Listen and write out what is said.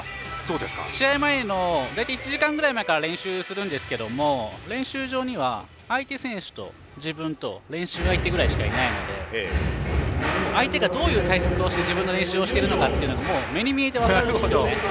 試合前の大体１時間前くらいから練習するんですけども練習場には相手選手と自分と練習相手ぐらいしかいないので相手がどういう対策をして自分の練習をしているかもう目に見えて分かるんですよね。